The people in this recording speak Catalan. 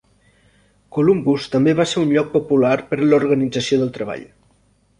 Columbus també va ser un lloc popular per a l'organització del treball.